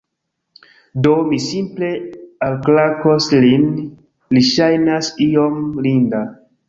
Do, mi simple alklakos lin li ŝajnas iom linda